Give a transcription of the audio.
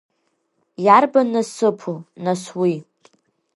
Иарбан насыԥу нас уи?